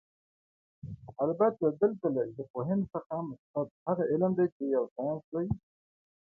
البته دلته له ژبپوهنې څخه مقصد هغه علم دی چې يو ساينس دی